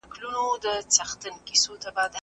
پرمختيايي هيوادونو له ډير پخوا پس انداز کړی و.